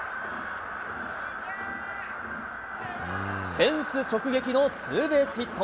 フェンス直撃のツーベースヒット。